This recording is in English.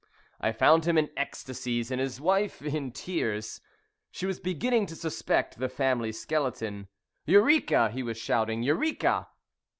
I found him in ecstasies and his wife in tears. She was beginning to suspect the family skeleton. "Eureka!" he was shouting. "_Eureka!